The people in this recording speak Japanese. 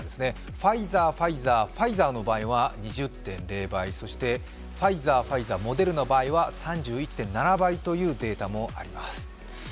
ファイザー、ファイザーファイザーの場合は２０．０倍ファイザー、ファイザー、モデルナの場合は３１．７倍というデータもあります